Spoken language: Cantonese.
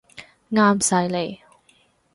啱晒你